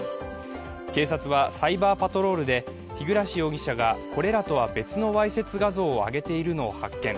警察は、サイバーパトロールで日暮容疑者がこれらとは別のわいせつ画像を上げているのを発見。